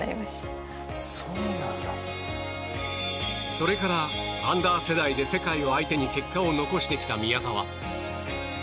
それからアンダー世代で世界を相手に結果を残してきた宮澤。